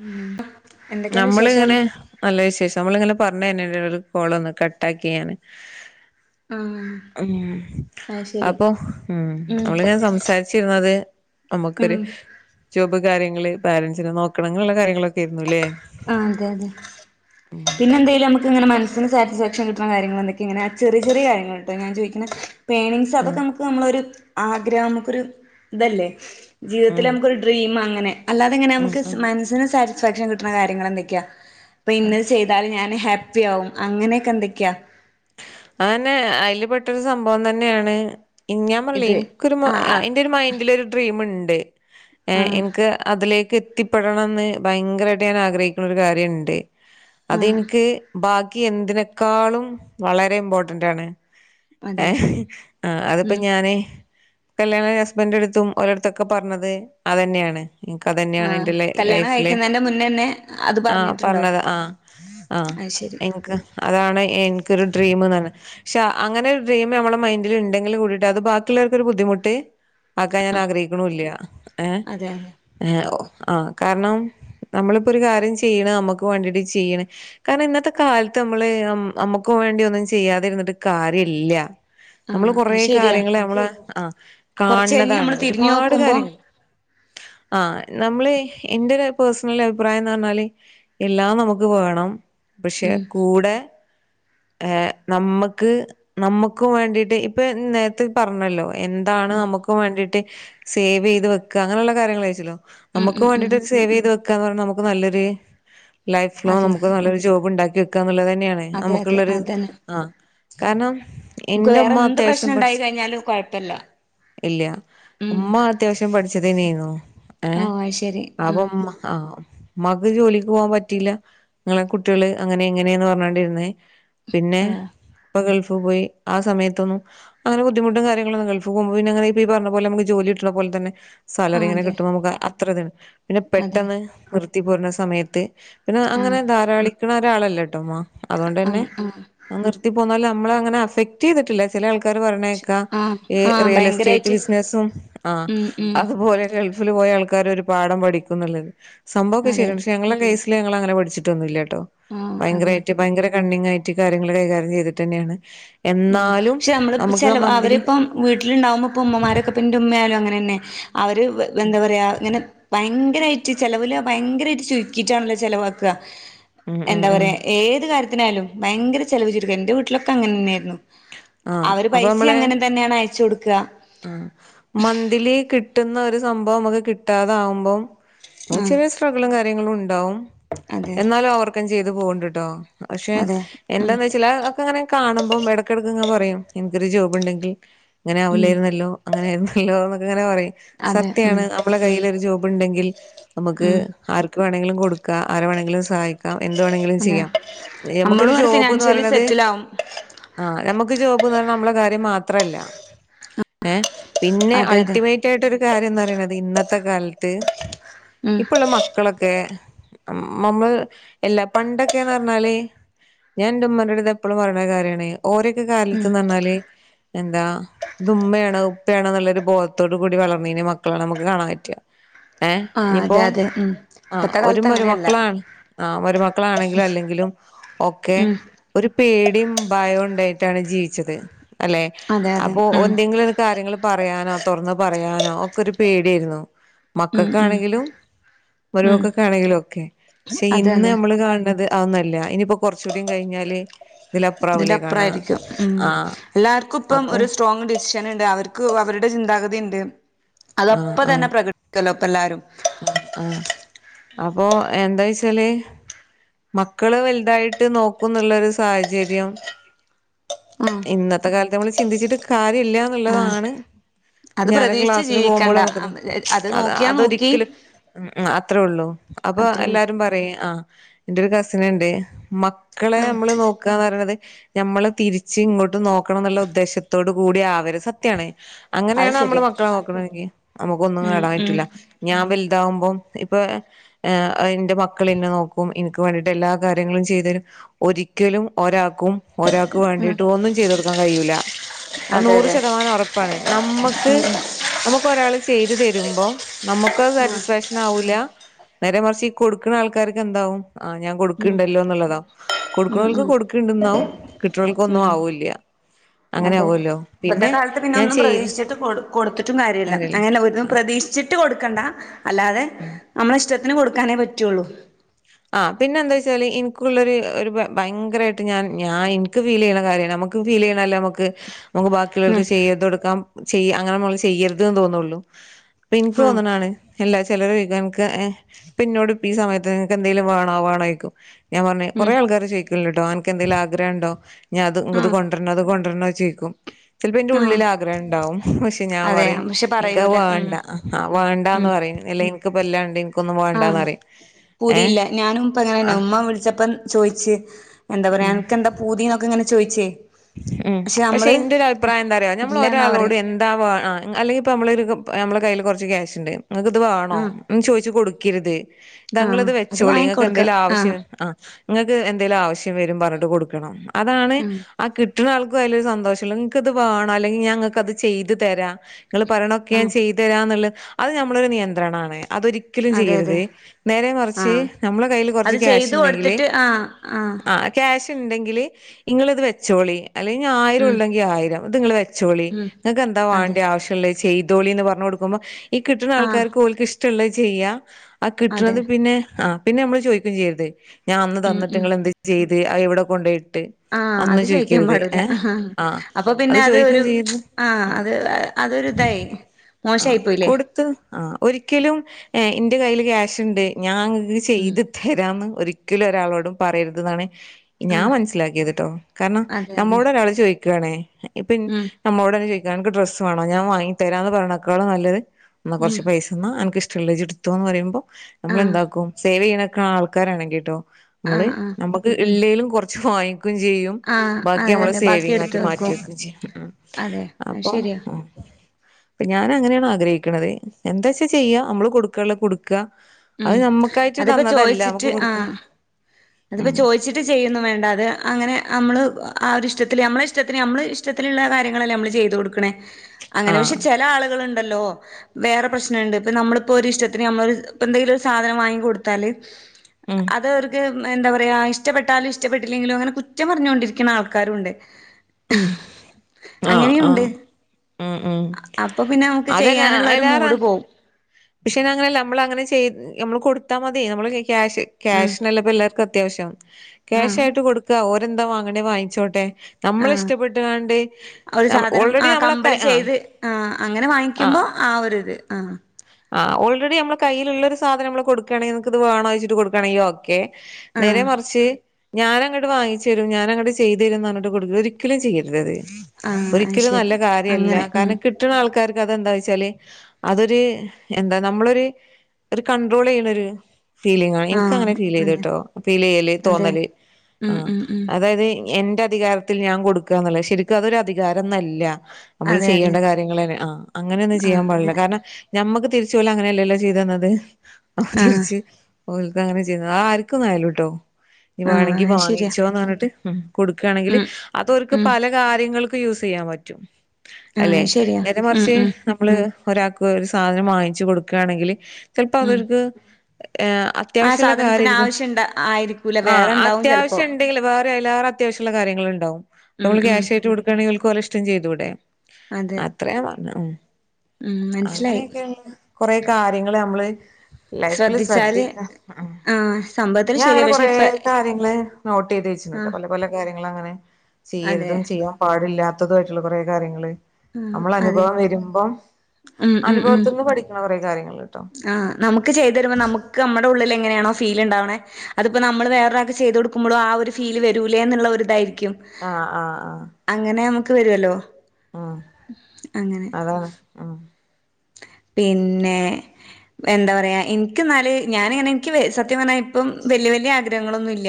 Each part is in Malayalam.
ഉം നമ്മളിങ്ങനെ നല്ല വിശേഷം നമ്മള് [unintelligible] കോള് വന്ന് കട്ടാക്കി ഞാന് ആഹ് ഉം അത് ശരി അപ്പൊ ഉം നമ്മളിങ്ങനെ സംസാരിച്ചിരുന്നത് ഉം നമക്കൊരു ജോബ് കാര്യങ്ങള് പാരൻസിനെ നോക്കണം ഇങ്ങനെള്ള കാര്യങ്ങളൊക്കെ ആയിരുന്നുല്ലേ ആഹ് അതെ അതെ പിന്നെ എന്തെലും അമ്മ ങ്ങനെ മനസ്സിന് [unintelligible] കിട്ടുന്ന കാര്യങ്ങള് എന്തോക്കെങ്ങനെ ചെറിയ ചെറിയ കാര്യങ്ങള്ട്ടോ ഞാൻ ചോയ്ക്ണ് പെണിങ്സ് ഉം അതൊക്കെ നമുക്ക് നമ്മളൊരു ആഗ്രഹം നമുക്കോരു ഇതല്ലേ ജീവിതത്തില് ഉം നമുക്കൊരു ഡ്രീം അങ്ങനെ അല്ലാതെ ഇങ്ങനെ ഉം നമ്മക്ക് ഉം മനസ്സിന് സാറ്റിസ്ഫാക്ഷൻ കിട്ട്ണ കാര്യങ്ങള് എന്തൊക്ക്യ പ്പം ഉം ഇന്നത് ചെയ്താല് ഞാന് ഹാപ്പിയാവും അങ്ങനെക്കെ എന്തൊക്ക്യ അതന്നെ അയില് പെട്ടൊരു സംഭവം തന്നെണ് ഞാൻ പർഞ്ഞില്ലേ ഇത് ഇൻക്കൊരു ആഹ് [unintelligible] ഇന്റെ ഒരു മൈന്റില് ഒരു ഡ്രീം ഇണ്ട് ഏഹ് ആഹ് ഇൻക്ക് അതിലേക്ക് എത്തിപ്പെടണന്ന് ഭയങ്കരായിട്ട് ഞാൻ ആഗ്രഹിക്ക്‌ണ ഒരു കാര്യണ്ട് അത് ആഹ് ഇൻക്ക് ബാക്കി എന്തിനേക്കാളും വളരെ ഇമ്പോർട്ടന്റാണ് അതെ ഏഹ് ആഹ് അത്പ്പ ഉം ഞാന് കല്യാണം കയിഞ്ഞ് ഹസ്ബന്റി നടുത്തും ഒലട്ത്തോക്കെ പർഞ്ഞത് അതന്നെണ് ഇൻക്ക് അതന്നെണ് ആഹ് ഇന്റെ ലൈ കല്യാണം ലൈഫിലെ കഴിക്കുന്നതിന്റെ മുന്നന്നെ അത് ആഹ് പറഞ്ഞിട്ടുണ്ടോ പർഞ്ഞത് ആഹ് ആഹ് അത് ശരി അയ്മക്ക്‌ അതാണ് എനിക്കൊരു ഡ്രീമ്ന്ന് [unintelligible] പക്ഷെ അങ്ങനൊര് ഡ്രീം നമ്മളെ മൈൻഡിൽ ഇണ്ടെങ്കിൽ കൂടിയിട്ട് അത് ബാക്കിയുള്ളോര്ക്കൊര് ബുദ്ധിമുട്ട് ആക്കാൻ ഞാൻ ആഗ്രഹിക്ക്ണുല്ല ഏഹ് അതെ അതെ ഏഹ് ആഹ് കാരണം നമ്മളിപ്പോ ഒരു കാര്യം ചെയ്യ്ണ നമ്മുക്ക് വേണ്ടീട്ട് ചെയ്യ്ണ കാരണം ഇന്നത്തെ കാലത്ത് നമ്മള് നം നമ്മുക്ക് വേണ്ടി ഒന്നും ചെയ്യാതിരുന്നിട്ട് കാര്യല്ല നമ്മള് ആഹ് അത് കൊറേ ശരിയാ കാര്യങ്ങള് നമ്മള് ആഹ് കൊറച്ച് കഴിഞ്ഞ് കാണ്ന്നതാണ് നമ്മള് തിരിഞ്ഞു ഒരുപാട് നോക്കുമ്പോ കാര്യങ്ങള് ആഹ് നമ്മളീ ഇന്റെ ഒര് പേഴ്സണൽ അഭിപ്രായന്ന് പറഞ്ഞാല് എല്ലാം നമുക്ക് വേണം പക്ഷെ ഉം കൂടെ ഏ നമ്മക്ക് നമ്മുക്കും വേണ്ടിട്ട് ഇപ്പൊ നേര്ത്തെജ്ജ് പറ്ഞ്ഞല്ലോ എ ന്താണ് ഉം നമ്മുക്കും വേണ്ടിട്ട് സേവെയ്ത് വെക്ക അങ്ങനെള്ള കാര്യങ്ങളോയ്ച്ചല്ലോ ഉം നമുക്ക് ഉം ഉം വേണ്ടിട്ട് സേവെയ്ത് വെക്കാന്ന് പറഞ്ഞത് നമുക്ക് നല്ലൊര് ലൈഫ് ലോങ് അതെ നമുക്ക് നല്ലോര് ജോബ് ഇണ്ടാക്കി വെക്കാന്ന്ള്ളതെന്നെയാണ് അതെ അതെ അതന്നെ ആഹ് കാര്ണം ന്ക്ക് വേറെന്ത് പ്രശ്നം ഇണ്ടായി കഴിഞ്ഞാലും കൊഴപ്പല്ല ഇല്ല്യ ഉം ഉമ്മ അത്യാവശ്യം പഠിച്ചതെന്നേന്നു ഏഹ് ഓഹ് അത് ശരി അപ്പൊ ആഹ് ഉമ്മ ആഹ് ഉമ്മാക്ക് ജോലിക്ക് പോവാൻ പറ്റിയില്ല ഇങ്ങള് കുട്ട്യേള് അങ്ങനെ ഇങ്ങനെന്ന് പറ്ഞ്ഞാണ്ട് ഇര്ന്ന് പിന്നെ ഓഹ് ഇപ്പ ഗൾഫ് പോയി ആ സമയത്തൊന്നും അങ്ങനെ ബുദ്ധിമുട്ടും കാര്ങ്ങളൊന്നും ഗൾഫ് പോവ്മ്പോ പിന്നെങ്ങെനെ ഈ പറ്ഞ്ഞ പോലെ നമ്മുക്ക് ജോലി കിട്ട്ണ പോലെ തന്നെ സാലറി ആഹ് ഇങ്ങനെ അതെ കിട്ട്മ്പോ നമുക്കാ അത്ര ഇത് പിന്നെ അതെ പെട്ടെന്ന് നിർത്തി പോര്ണ സമയത്ത് പിന്നെ ആഹ് അങ്ങനെ ധാരാളിക്ക്ണ ഒരാളല്ലട്ടൊ ഉമ്മ അതോണ്ടെന്നെ ആഹ് ആഹ് അത് നിർത്തി പോന്നാലും നമ്മളങ്ങനെ അഫക്ട് റ്റെയ്തിട്ടില്ല ചെലാള്ക്കാര് പറയ്ണേക്കാ ആഹ് ഈ ആഹ് റിയലെസ്റ്റേറ്റ് ഭയങ്കരായിട്ട് ബിസ്നസും ആഹ് ഉം ഉം അത്പോലെ ഗൾഫില് പോയാള്ക്കാരും ഒര് പാഠം പഠിക്കുന്ന്ള്ളത് സംഭവൊക്കെ അതെ ശെര്യാണ് ക്ഷേ ഞങ്ങളെ കേസില് ഞങ്ങള് അങ്ങനെ പഠ്ച്ചിട്ടൊന്നുംല്ലട്ടോ ആഹ് അതെ ഭയങ്കരായിട്ട് ഭയങ്കര കണ്ണിങ്ങായ് റ്റ് കാര്യങ്ങള് കൈകാര്യം ചെയ്തിട്ടെന്ന്യാണ് ഉം ക്ഷെ നമ്മള്പ്പം ചെല അവരിപ്പം വീട്ട്ല്ണ്ടാവ്മ്പോപ്പം ഉമ്മമാരൊക്കെ ഇപ്പന്റെ ഉമ്മായാലും അങ്ങനെന്നെ അവര് വെ എന്താപറയാ ഇങ്ങനെ ഭയങ്കരായി റ്റ് ചെലവല് ഭയങ്കരായിട്ട് ചുരുക്കീട്ടാണല്ലോ ചെലവാക്കാ ഉം ഉം എന്താ ഉം പറയാ ഏത് കാര്യത്തിനായ്ലും ഭയങ്കര ചെലവ് ചുരുക്ക് ഇന്റെ വീട്ട്ലൊക്കെ അങ്ങനെന്നെയ്ര്ന്നു ആഹ് അവര് അപ്പൊ പൈസിം നമ്മളെ അങ്ങനെതന്നെണ് അയച്ചോട്ക്കാ ആഹ് മന്ത്ലി കിട്ട്ന്ന ഒര് സംഭവം നമ്മക്ക് കിട്ടാതാവുമ്പം നമ്മക്ക് ആഹ് ചെറിയ സ്ട്രഗ്ളും കാര്യങ്ങളും ഉണ്ടാവും അതെ എന്നാലും ഓവർക്കം ചെയ്ത് പോവ്ണ്ട്ട്ടോ പക്ഷേ അതെ ഉം എന്താന്ന് വെച്ചാല് അത് അ ക്ക്ങ്ങനെ കാണുമ്പം എടക്കടക്ക്ങ്ങനെ പറയും ഇൻക്കൊര് ജോബ്ണ്ടെങ്കില് ഉം ഇങ്ങനാവൂലായ്ര്ന്ന് ല്ലോ അങ്ങനെ ആയിര്ന്നല്ലോ എന്നൊക്കെങ്ങനെ പറയും അതെ ഉം സത്യാണ് നമ്മളെ കയ്യിലൊര് ജോബ്ണ്ടെങ്കിൽ നമ്മക്ക് ഉം ആർക്ക് വേണങ്കിലും കൊടുക്കാ ആരെ വേണങ്കിലും സഹായി ക്കാ എന്ത് വേണെങ്കിലും അതെ ചെയ്യാം നമ്മളും നമുക്കൊരു ഒരു ജോബ്ന്ന് ഫിനാൻഷ്യലി പറയ്ണത് സെറ്റിൽ ആവും ആഹ് നമുക്ക് ജോബ്ന്ന് പറയ്ണത് നമ്മളെ കാര്യം മാത്രല്ല ഏഹ് പിന്നെ അതെ അതെ അൾട്ടിമേയ്റ്റ്ട്ടായിട്ടൊരു കാര്യന്ന് പറയ്ണത് ഇന്നത്തെ കാലത്ത് ഉം ഇപ്പള്ള മക്കളൊക്കെ മ് നമ്മൾ എല്ലാ പണ്ടെക്കെന്ന്റ്ഞ്ഞാല് ഞാനെന്റെ ഉമ്മാന്റെട്ത്ത് എപ്പളും പറയ്ണ കാര്യാണ് ഓരൊക്കെ ഉം കാലത്ത്ന്ന് പറ്ഞ്ഞാല് എന്താ ഇത് ഉമ്മയ ണ് ഉപ്പയാണ്ന്ന്ള്ളൊരു ബോധത്തോട് കൂടി വളർന്നീനെ മക്കളാണ് നമുക്ക് കാണാൻ പറ്റാ ഏഹ് ആഹ് അതെ ഇനിയിപ്പോ അതെ ഉം ആഹ് ഇപ്പത്തെ കാലത്ത് അങ്ങനെയല്ല ഒരുമരുമക്കളാൺ ആ മരുമക്കളാണങ്കിലുംഅല്ലെങ്കിലും ഓക്കെ ഉം ഒരു പേടിം ഭയൊം ഇണ്ടായിട്ടാണ് ജീവിച്ചത് അല്ലെ അതെ അതെ അപ്പൊ ഉം ഒന്തെങ്കിലൊര് കാര്യങ്ങള് പറയാനോ തൊറ്ന്ന് പറയാനോ ഒക്കൊര് പേടിയേര്ന്നു ഉം ഉം മക്കക്കാണങ്കിലും ഉം മരുമക്കക്കാണങ്കിലൊക്കെ പക്ഷേ അതെ ഇന്ന് അതെ നമ്മള് കാൺണത് അതൊന്നല്ല ഇനിയിപ്പ കൊർച്ചുടിം കഴിഞ്ഞാല് ഇതിന്റെ ഇതിലപ്പുറാവൂലേ കാണാ അപ്പറായ്രിക്കും ഉം ആഹ് എല്ലാർക്കു ഇപ്പം അപ്പൊ ഒരു സ്ട്രോങ് ഡിഷ് ക്കന്ണ്ട് അവര്ക്ക് അവര്ടെ ചിന്താഗതി ഇണ്ട് അതപ്പ തന്നെ പ്രകടിക്കല്ലോ ഇപ്പല്ലാരും ഉം ആഹ് അപ്പൊ എന്തയ്ച്ചാല് മക്കള് വൽതായ്ട്ട് നോക്കുന്ന്ള്ളൊരു സാഹചര്യം ഉം ഇന്നത്തെ കാൽത്ത് നമ്മള് ചിന്തിച്ചിട്ട് ആഹ് കാര്യല്ലാന്ന്ള്ളതാണ് അത് പ്പ ഞാനൊക്കെ പ്രതീക്ഷിച്ച് ക്ലാസ്സിന് ജീവിക്കണ്ട പോവുമ്പോള് നോക്ക്ന്ന് അത് അതാ നോക്കിയാ നോക്കി അതൊരിക്കലും ഉം അ അത്രേ ഒള്ളൂ അപ്പൊ അത്രേ ഉള്ളൂ എല്ലാരും പറയ് ആഹ് ഇന്റെ ഒരു കസിന് ഇണ്ട് മക്കളെ ഉം മ്മള് നോക്കാ പറണത്. ഞമ്മളെ തിരിച്ച് ഇങ്ങോട്ട് നോക്കണം ന്ന്ള്ള ഉദ്ദേശത്തോട് കൂടി ആവര്ത് സത്യാണ്. അത് അങ്ങനെണ് നമ്മള് ശരിയാ മക്കളെ നോക്ക്ണങ്കി നമുക്കൊന്നും ഉം നേടാൻ ഉം പറ്റൂല. ഞാൻ വൽതാവുമ്പോം ഇപ്പ ഇന്റെ മക്കള് ഇന്നെ നോക്കും ഇൻക്ക് വേണ്ടിട്ട് എല്ലാ കാര്യങ്ങളും ചെയ്തരും. ഒരിക്കലും ഒരാക്കും ഒരാക്ക് ഉം വേണ്ടിട്ട് ഒന്നും ചെയ്ത് കൊടുക്കാം കയ്യൂല. അത് അതെ നൂറ് അതെ ശതമാനം ഒറപ്പാണ് നമ്മക്ക് ഉം ഉം നമുക്ക് ഒരാള് ചെയ്ത് തരുമ്പം നമുക്കത് സാറ്റിസ്ഫാഷന ആവുല നേരെ മറിച്ച് ഈ കൊട്ക്ക്ണ ആൾക്കാര്ക്ക് എന്താവും. ആ ഞാൻ കൊടുക്ക്ണ്ടല്ലോ ന്ന്ള്ളതാ ഉം കൊട്ക്ക്ണോൽക്ക് ഉം കൊടുക്ക്ണ്ട്ന്നാവും കിട്ട്ണോൽക്ക് ഒന്നു ഉം ആവുല്ല്യ അതെ ഇപ്പത്തെ കാലത്ത് പിന്നെ ഞാൻ ഒന്നും ചെയ്യുന്ന പ്രതീക്ഷിച്ചിട്ട് കൊടു കൊടുത്തിട്ടും കാര്യല്ല അങ്ങനെല്ല ഒന്നും പ്രതീഷി ച്ചിട്ട് കൊടുക്കണ്ട അല്ലാതെ നമ്മള ഇഷ്ടത്തിന് കൊടുക്കാനേ പറ്റൊള്ളൂ. ആഹ് പിന്നെ ന്താച്ചാല് ഇൻക്കുള്ളര് ഒര് ഭയങ്കരായിട്ട് ഞാൻ ഞാൻ. ഇ ക്ക് ഫീൽ ചെയ്യ്ണ കാര്യാണ് നമുക്ക് ഫീല് ചെയ്യ്ണ അല്ലെ നമുക്ക് നമുക്ക്. ബാ ഉം മക്കകൾക്ക് ചെയ്ത് കൊടുക്കാം ചെയ്യ അങ്ങനെ നമ്മള് ചെയ്യര്ത് ന്ന് തോന്നുള്ളു ഇപ്പ ഇൻക്ക് ആഹ് തോന്ന്ണാണ്. അല്ല ചെലര് ചോയിക്കും അൻക്ക് ഇപ്പ ഇന്നോട് ഈ സമയത്ത് നിനക്ക് എന്തെങ്കിലും വേണോ വേണോയിക്കും. ഞാൻ പർഞ് കോറെ ഉം ആൾക്കാര് ചോയിക്കൽണ്ട് ട്ടോ അൻക്ക് എന്തേലു ആഗ്രഹ ഇണ്ടോ ഇഞ് അത് ഇ ഇത് ആഹ് കൊണ്ട്രണോ അത് കൊണ്ട്രണോ ചോയ്ക്കും ചെൽപ്പോ ഇന്റെ ആഹ് ഉള്ളില് ആഗ്രഹണ്ടാവും. പക്ഷെ ഞാൻ അതെ പറയും പക്ഷെ ഇൻക്ക് അത് പറയൂല ഉം വാണ്ട ആ വാണ്ടാന്ന് ഉം പറയും എല്ല ഇൻക്ക്പ്പ എല്ലാണ്ട്. ഇൻ ക്കൊന്നും ആഹ് വാണ്ടാന്നറിം. പൂതിയില്ല ഞാനും ഇപ്പ ഇങ്ങനെന്നെ ഉമ്മ വിളിച്ചപ്പം ചോയിച്ച് എന്താ പറയാ അൻക്കെന്താ. പൂതി ന്നൊക്കെ ഇങ്ങനെ ചോയിച്ചേ. ഉം പക്ഷെ ഇന്റെ ഒരു അഭിപ്രായം എന്താറിയോ ഞമ്മള് ഇല്ലാന്നാ ഒരാളോട് പറയാ എ ന്താ ആ അല്ലെങ്കി ഇപ്പ നമ്മളരു നമ്മളെ കയ്യില് കൊർച്ച് ക്യാഷ്ണ്ട് ഇങ്ങക്ക് ഇത് വേണോ. ആഹ് ഉം ചോയിച്ച് കൊടുക്കര്ത് താങ്കള് ആഹ് ഇത് അത് വെച്ചോളി ഇങ്ങക്ക് വാങ്ങിക്കൊടുക്ക എന്തെലും ആവശ്യം ആഹ്. ഇങ്ങക്ക് എന്തെലും ആവശ്യം വരും പർഞ്ട്ട് കൊടുക്കണം അതാണ്. ആഹ് ആ കിട്ട്ണ ആൾക്കു അയ്ലൊരു സന്തോഷല്ല ഇങ്ങക്ക്ത് വാണോ അല്ലെങ്കി ഞാങ്ങക്കത് ചെയ്ത് തര ക്കള് പറിണൊക്കെ ഞാൻ ആഹ് ചെയ്ത് തരാന്ന്ള്ള അത് ഞമ്മളൊരു നിയന്ത്രണാണ് അതൊരി ക്കലും അതെ അതെ ചെയ്യര്ത് നേരെ മറിച്ച് ആഹ് നമ്മളെ കയ്യില് അത് കൊർച്ച് ക്യാഷ് ചെയ്ത് ഇണ്ടെങ്കില് കൊടുത്തിട്ട് ആഹ് ആഹ് ആ. ക്യാഷ് ഇണ്ടെങ്കില് ഇങ്ങള് ഇത് വെച്ചോളി അല്ലെങ്കി ആയിരം ഉം ഉണ്ടെങ്കി ആയിരം ഇത് ഇങ്ങള് വെ ച്ചോളി ഉം ഇങ്ങക്കെന്താ അതെ വാണ്ട്യ ആവശ്യള്ള ചെയ്തോളിന്ന് പർഞ്ഞ് കൊടുക്ക്മ്പം ഈ കിട്ട്ണ ആഹ് ആൾക്കാര്ക്ക് ഓൽക്കിഷ് റ്റള്ള ചെയ്യ ആ അതെ കിട്ട്ണത് പിന്നെ ആ പിന്നെ നമ്മള് ചോയിക്കും ചെയ്യര്ത്. ഞാൻ അന്ന് ഉം തന്ന്ട്ട് ഉം ഇങ്ങള് എന്തേ ചെയ്ത് അത് എവിടെ കൊണ്ടയിട്ട്. ആ അത് ചോയിക്കാൻ പാടില്ല ആ അപ്പൊ പിന്നെ അത് ചോയിക്കും ഒരു ചെയ്യരുത് ആഹ് ഉം അത്. അതൊരു ഇതായി ആഹ് മോശായി പോയില്ലേ. കൊടുത്ത് ആഹ് ഒരിക്കലും എന്റെ കയ്ൽ ക്യാഷുണ്ട് ഞാൻ ഉം ചെയ്ത്. തരാം ന്ന് ഒരിക്കലും ഒരാളോടും പറയരുത് ന്നാണ് ഞാൻ ആഹ് മനസ്സിലാക്കിയത് ട്ടോ. അഹ് അതെ അതെ നമ്മോട് ഒരാൾ ചോയിക്കാണ് ഇപ്പോ ഉം നമ്മളോടെ ന്നെ ചോയിക്കാണ് നക്ക് ഡ്രസ്സ് വേണോ ഞാൻ വാങ്ങി തരാന്ന് പറയണക്കാളും നല്ലത് ന്ന ഉം കൊറച്ച് പൈസ. ന്നാ അനക്ക് ഇഷ്ട്ടള്ളത് ജ്ജ് ഇടുത്തോ ന്ന് പറയുമ്പോ ആഹ് നമ്മളെന്താക്കും സേവ് ചെയ്യ്ണ ക്കെ ആൾക്കാരണങ്കിട്ടൊ. മ്മള് ആഹ് ആഹ് നമുക്ക് ഇള്ളേലും കൊറച്ച് വാങ്ങിക്കും ചെയ്യും. ആഹ് ബാക്കി അതെ നമ്മള് അതെ ബാക്കി സേവിങ് ആയിട്ട് എടുത്ത് മാറ്റി വെക്കും വെക്ക ചെയ്യും അതെ ആഹ് അത് അപ്പൊ ശരിയാ ആഹ്. പ്പ ഞാൻ അങ്ങനെയാണ് ആഗ്രഹിക്കണത് എന്താ ച്ചാ ചെയ്യാ നമ്മള് കൊടുക്കള്ളെ കൊടുക്ക. അത് ഉം നമ്മക്കായിട്ട് അതിപ്പോ നന്നതല്ല ചോയിച്ചിട്ട് നമ്മുക്ക് കൊടുക്ക. ആഹ് അതിപ്പോ ഉം ചോയിച്ചിട്ട് ചെയ്യൊന്നു വേണ്ട അത് അങ്ങനെ മ്മള് ആ ഒരുരിഷ്ടത്തില് നമ്മളെ ഇഷ്ടത്തിന് നമ്മള്. ഇഷ്ടത്തിലുള്ള കാര്യങ്ങളല്ലേ നമ്മള് ചെയ്ത് കൊടുക്കണേ അങ്ങനെ പക്ഷെ ആഹ് ചില ആളുക ഉണ്ടല്ലോ. വേറെ പ്രശ്നമുണ്ട് ഇപ്പൊ നമ്മളി ഇപ്പോ ഒരുരി ഇഷ്ടത്തിന് നമ്മള ഒരു ഇ എന്തെങ്കിലും ഒരു സാധനം വാങ്ങി കൊടുത്താല്. ഉം അത് അവർക്ക് എന്താ പറയാ ഇഷ്ടപ്പെട്ടാലും ഇഷ്ടപ്പെട്ടില്ലെങ്കിലും അങ്ങനെ കുറ്റം പറഞ്ഞൊണ്ടിരിക്കുന്ന ആൾക്കാരും ഉണ്ട്. ഉം ആഹ് ആഹ് ആഹ് ഉം ഉം അപ്പൊ പിന്നെ നമുക്ക് അതന്നെ ചെയ്യാനുള്ള ഒരു അയ്ലേറെ. മൂഡ് പോവും പഷേ അങ്ങനല്ല നമ്മള അങ്ങനെ ചെയ് നമ്മള് കൊടുത്താൽ മതി നമ്മള് ക്യാഷ് ഉം ക്യാഷിനല്ലേ ഇപ്പോ എല്ലാർക്കും അത്യാവശ്യം ക്യാഷ് ആഹ് ആയിട്ട് കൊടുക്ക ഓരെന്താ വാങ്ങെണ്ടി വാങ്ങിച്ചോട്ടെ നമ്മള് ആഹ് ഇഷ്ടപ്പെട്ടുകാണ്ട് ഒരു സാധനം ആ ഓൾറെഡി കമ്പൽ നമ്മളൊക്കെ ആഹ് ചെയ്ത് ആ അങ്ങനെ വാങ്ങിക്ക ങ്ങിക്കുമ്പോ ആ ഒരിത് ആഹ് ആഹ് ആൾ റെഡി നമ്മള കയ്യിലുള്ള ഒരു സാധനം നമ്മ കൊടുക്കുകണെങ്കിൽ നിങ്ങക്കിത് വേണോന്ന് വെച്ചിട്ട് കൊടുക്കുകയാണെങ്കിൽ ഓക്കെ ആ നേരെ മറിച്ച് ഞാൻ അങ്ങോട്ട് വാങ്ങിച്ചു തരും ഞാനങ്ങട്ട് ചെയ്തു തരും എന്ന് പറഞ്ഞിട്ട് കൊടുക്ക ഒരി ക്കലും ചെയ്യരുത് ആ അത് ഒരിക്കലും നല്ല ശരി കാര്യല്ല അങ്ങനെ ഉം കാരണം കി ട്ട്ന്ന ആൾക്കാർക്ക് അതെന്താ വെച്ചാല് അതൊരു എന്താ നമ്മളൊരു- ഒരു കൺട്രോൾ ചെയ്യണ ഒരു ഫീലിംഗ് ആണ് ആ എനക്ക് അങ്ങനെ ഫീൽ ചെയ്ത അതെ കേട്ടോ ഫീൽ ചെയ്യല് അതെ തോന്നല് ഉം ആഹ് ഉം ഉം അതായത് എന്റെ അധികാരത്തിൽ ഞാൻ കൊടുക്കുകന്നുള്ളത് ശരിക്കും അതൊരു അധികാരന്നല്ല നമ്മള് അതെ അതെ ചെയ്യേണ്ട കാര്യങ്ങള് അല്ലേ ആ അങ്ങനെയൊന്നും ആ ചെയ്യാൻ പാടില്ല അങ്ങനെ കാരണം ഞമ്മക്ക് തിരിച്ച പോലെ അങ്ങനെയല്ലല്ലോ ചെയ്തു തന്നത് അപ്പോ ആ തിരിച്ച് ഓൽക്ക് അങ്ങനെ ചെയ്യുന്നത് ആർക്കൊന്നായാലും ട്ടോ നീ ആ വേണമെങ്കി അത് ശരിയാ വാങ്ങിച്ചോന്ന് പറഞ്ഞിട്ട് ഉം കൊടുക്കുകയാണെങ്കില് ഉം അതൊർക്ക് ഉം പല കാര്യങ്ങൾക്ക് യൂസ് ചെയ്യാൻ പറ്റും ആ അല്ലെ അത് ശരിയാ നേരെ ഉം മറിച്ച് ഉം നമ്മള് ഒരാൾക്ക് ഒരു സാധനം വാങ്ങിച്ചു കൊടുക്കുകയാണെങ്കില് ചിലപ്പോ ഉം അവർക്ക്‌ ഏഹ് ആ അത്യാവശ്യമുള്ള സാധനത്തിന് കാര്യായിരിക്കും ആവശ്യണ്ട ആയിരിക്കൂല ആഹ് വേറെ ഇണ്ടാവും ചെലപ്പോ അത്യാവശ്യം ഇണ്ട് വേറെ എല്ലാവും അത്യാവശ്യമുള്ള കാര്യങ്ങള് ഉണ്ടാവും അപ്പ ഉം നമ്മള് ഉം ക്യാഷ് ആയിട്ട് കൊടുക്കുകണെങ്കിൽ ഓൽക് ഓലെ ഇഷ്ടം ചെയ്തു കൂടെ അതെ അത്രേ പറഞ്ഞെ ഉം ഉം മനസ്സിലായി അങ്ങനെയൊക്കെയുള്ള കുറെ കാര്യങ്ങള് നമ്മള് ലൈഫില് ശ്രദ്ധിച്ചാല് ശ്രദ്ധിക്കണം ആ സംഭവത്തില് ഞാൻ അങ്ങനെ ശരിയാ കൊറേ പക്ഷെ ഇപ്പ കാര്യങ്ങള് നോട്ട് ചെയ്ത് വെച്ചിട്ടുട്ടോ ആ പല പല കാര്യങ്ങള് അങ്ങനെ അതെ ചെയ്യരുതും ചെയ്യാൻ പാടില്ലാത്തതു ആയിട്ടുള്ള കുറെ കാര്യങ്ങള് ആ നമ്മള് അതെ അനുഭവം വരുമ്പം ഉം അനുഭവത്തിന്ന് പഠിക്കണ കുറേ കാര്യങ്ങൾ കെട്ടോ ആഹ് നമുക്ക് ചെയ്ത് തരുമ്പോ നമുക്ക് നമ്മുടെ ഉള്ളിൽ എങ്ങനെയാണോ ഫീൽ ഉണ്ടാവണേ അതിപ്പോ നമ്മള് വേറൊരാൾക്ക് ചെയ്ത കൊടുക്കുമ്പോളും ആ ഒരു ഫീല് വരൂലേ എന്നുള്ള ഒരിതായിരിക്കും ആഹ് ആഹ് ആഹ് അങ്ങനെ നമ്മുക്ക് വരുവല്ലോ ആഹ് അങ്ങനെ ആഹ് ആഹ് പിന്നെ എന്താ പറയാ ഇൻക്ക് ന്നാല് ഞാനിങ്ങനെ എനിക്ക് സത്യം പറഞ്ഞാൽ ഇപ്പം വല്യ വല്യ ആഗ്രഹങ്ങളൊന്നും ഇല്ല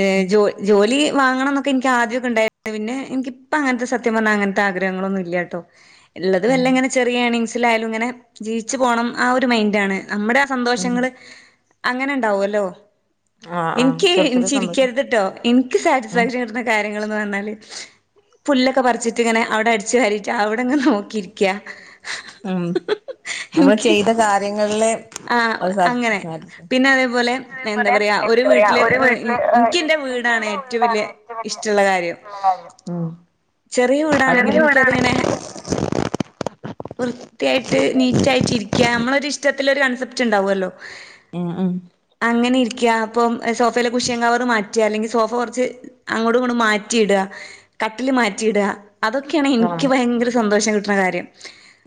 ഏഹ് ജോ ജോലി വാങ്ങണം ന്നൊ ക്കെ ഇൻക്ക് ആദ്യൊക്കെ ഉണ്ടായിരുന്നു പിന്നെ ഇൻക്കിപ്പ അങ്ങൻത്തെ സത്യം പർഞ്ഞാൽ അങ്ങൻത്തെ ആഗ്രഹങ്ങളൊന്നുല്ല ട്ടോ ഉള്ളത് ഉം വല്ല ഇങ്ങനെ ചെറിയ എണിങ്സില് ആയാലും ഇങ്ങനെ ജീവിച്ചു പോണം ആ ഒരു മൈൻഡ് ആണ് നമ്മുടെ ഉം. സന്തോഷങ്ങള് അങ്ങനെ ഉണ്ടാവല്ലോ! ആഹ് ആഹ് എനിക്ക് ചെറിയ ചെറിയ സന്തോഷം ചിരിക്കരുത്ട്ടോ എൻക്ക് ഉം സാറ്റിസ്ഫാക്ഷൻ കിട്ട്ന്ന കാര്യങ്ങൾന്ന് പർഞ്ഞാല് പുല്ലൊക്കെ പറിച്ചിട്ട് ഇങ്ങനെ അവിടെ അടിച്ചു വാരിട്ട് അവിടെങ്ങനെ നോക്കിയിരിക്ക്യാ ഉം നമ്മൾ ചെയ്ത കാര്യങ്ങളില് ആ അത് അങ്ങനെ സാധി പിന്നെ അതേപോലെ എന്താ പറയാ ഒരു [inaudible] പറയാ വീട്ടില് ഒരു വീട്ടില് എനിക്ക് എന്റെ വീടാണ് ഏറ്റവും എന്താണ് വലിയ ഏറ്റവും വലിയ ഇഷ്ടമുള്ള കാര്യം [inaudible] കാര്യം ഉം ചെറിയ വീടാണെങ്കിലും ഇൻക്ക് അത്ങ്ങനെ വൃത്തിയായിട്ട് നീറ്റായിട്ടിരിക്ക നമ്മളൊരിഷ്ടത്തില് ഒരു കൺസെപ്റ്റ് ഉണ്ടാവല്ലോ! ഉം ഉം അങ്ങനെ ഇരിക്ക അപ്പം സോഫയിലെ കുശിയൻകവറു മാ- റ്റ അല്ലെങ്കിൽ സോഫ കൊർച്ച് അങ്ങോട്ടും ഇങ്ങോട്ടും മാറ്റി ഇട കട്ടിൽ മാറ്റിയിട അതൊക്കെയാണ് ഇൻക്ക് ആഹ് ഭയങ്കര സന്തോഷം കിട്ട്ണ കാര്യം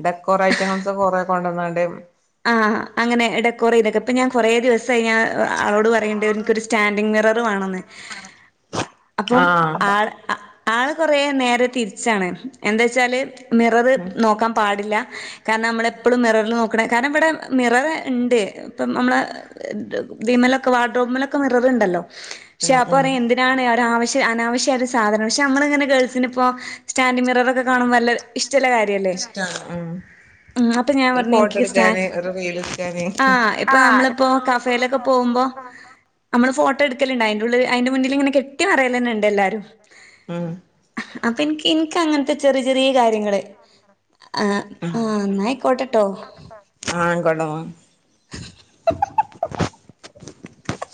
ഡെക്കോറേ ഐറ്റങ്ങൾസ് കൊറേ കൊണ്ടുവന്നണ്ട് ആഹ്! അങ്ങനെ ഡെക്കോറെയ്ദക്ക ഇപ്പൊ ഞാൻ കൊറേ ദിവസം ആയി ഞാ ആളോട് പറയ്ണ്ട് എൻക്കൊരു സ്റ്റാൻഡിങ് മിറർ വാണന്ന് അപ്പം ആഹ് ആള് ആള് കൊറേ നേരെ തിര്ച്ചാണ് എന്തേച്ചാല് മിററ് ഉം നോക്കാൻ പാടില്ല കാരണം നമ്മളെപ്പളും മിററിൽ നോ [unintelligible] കാരണം ഇവടെ മിററ് ഇണ്ട് ഇപ്പം നമ്മൾ വിമലൊക്കെ വാട്ട്ർമലൊക്കെ മിററുണ്ടല്ലോ പക്ഷെ ഉം അപ്പ ഉം പറയാ എന്തിനാണ് ഒരാവശ്യം അനാവശ്യ പ ഒരു സാധന പക്ഷെ നമ്മളിങ്ങനെ ഗേൾസിന് ഇപ്പോ സ്റ്റാൻ്റിൻ മിററൊക്കെ കാണും വല്ല ഇഷ്ടല്ല കാ ര്യല്ലേ ഇഷ്ടാണ് ഉം അപ്പൊ ഞാൻ ഒരു പർഞ് ഫോട്ടോ എടുക്കാന് ഒരു റീൽ എടുക്കാന് [unintelligible] ആ ഇപ്പൊ നമ്മളിപ്പോ കഫേലൊക്കെ പോകുമ്പോ നമ്മള് ഫോട്ടോ എടുക്കല്ണ്ട് അയ്ന്റെ ഉള്ളില് അയ്ന്റെ മുന്നിൽ ഇങ്ങനെ കെട്ടി മറിയലെന്നണ്ട് എല്ലാരും ഉം അപ്പൊ ഇൻക്ക് ഇൻക്കങ്ങൻ ത്തെ ചെറിയ ചെറിയ കാര്യങ്ങള് ആ ഉം ആ ന്നായ്ക്കോട്ടട്ടോ ആഹ് അയ്ക്കോട്ടെന്നാ [unintelligible]